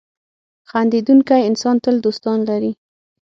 • خندېدونکی انسان تل دوستان لري.